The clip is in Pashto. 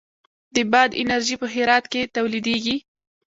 د باد انرژي په هرات کې تولیدیږي